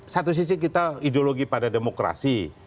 satu sisi kita ideologi pada demokrasi